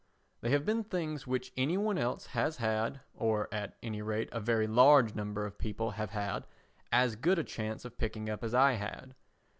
They have been things which any one else has had—or at any rate a very large number of people have had—as good a chance of picking up as I had.